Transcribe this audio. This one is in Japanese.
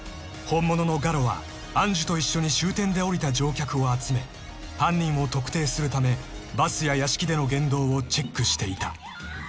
［本物のガロは愛珠と一緒に終点で降りた乗客を集め犯人を特定するためバスや屋敷での言動をチェックしていた］